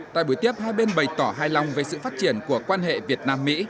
tại buổi tiếp hai bên bày tỏ hài lòng về sự phát triển của quan hệ việt nam mỹ